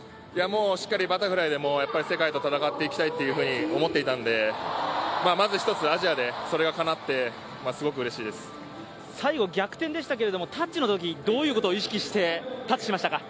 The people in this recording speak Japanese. しっかりバタフライでも世界で戦っていきたいというふうに思っていたのでまず、一つアジアでそれがかなって最後、逆転でしたがタッチのとき、どういうことを意識してタッチしましたか。